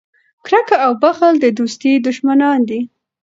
کرکه او بخل د دوستۍ دشمنان دي.